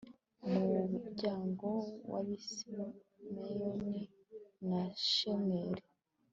mu muryango w abasimeyoni na shemweli